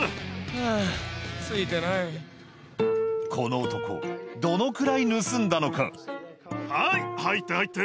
この男どのくらい盗んだのかはい入って入って。